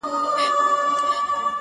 څارونوال ویله پلاره نې کوومه.